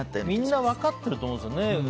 みんな分かってると思うんですよね。